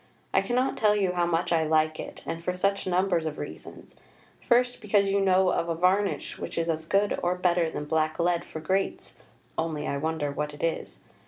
I cannot tell you how much I like it, and for such numbers of reasons. First, because you know of a varnish which is as good or better than black lead for grates (only I wonder what it is).